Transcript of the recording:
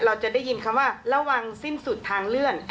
เราจะได้ยินคำว่าระวังสิ้นสุดทางเลื่อน